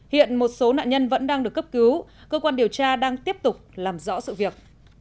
hiện một số nạn nhân vẫn đang được cấp cứu cơ quan điều tra đang tiếp tục làm rõ sự việc